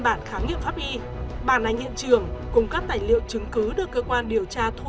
bản khám nghiệm pháp y bản ảnh hiện trường cùng các tài liệu chứng cứ được cơ quan điều tra thu